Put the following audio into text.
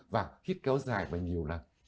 và hít kéo dài và nhiều lần